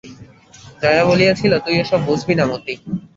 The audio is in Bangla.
জয়া বলিয়াছিল, তুই ওসব বুঝবি না মতি।